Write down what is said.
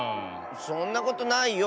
そんなことないよ。